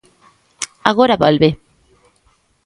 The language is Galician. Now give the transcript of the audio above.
Agora volve.